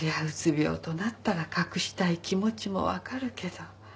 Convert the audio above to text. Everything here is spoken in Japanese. うつ病となったら隠したい気持ちも分かるけど。